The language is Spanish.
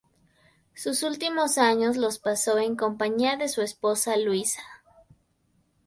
Sus últimos años los pasó en compañía de su esposa Luisa.